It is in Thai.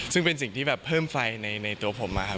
ซึ่งเป็นสิ่งที่แบบเพิ่มไฟในตัวผมนะครับ